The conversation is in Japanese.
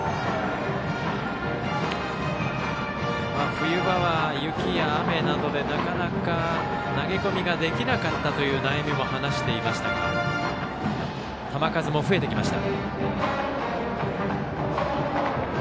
冬場は雪や雨などで、なかなか投げ込みができなかったという悩みも話していましたが球数も増えてきました。